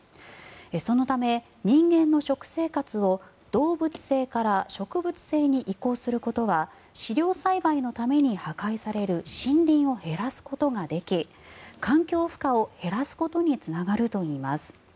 そのため人間の食生活を動物性から植物性に移行することは飼料栽培のために破壊される森林を減らすことができ環境負荷を減らすことにつながるといいます。